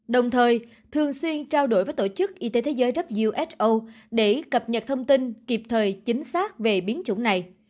đồng thời thường xuyên trao đổi với tổ chức y tế thế giới wso để cập nhật thông tin kịp thời chính xác về biến chủng này